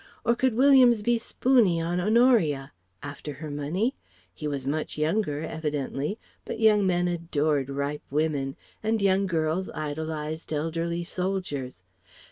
Or could Williams be spoony on Honoria? After her money? He was much younger evidently but young men adored ripe women, and young girls idolized elderly soldiers.